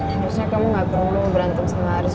sebenernya kamu gak perlu berantem sama chris